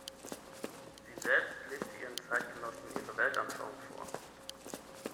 Sie selbst lebte ihren Zeitgenossen ihre Weltanschauung vor.